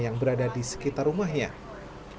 yang terkenal dengan kebiasaan makan cabai rawit